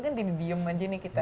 kan diem aja nih kita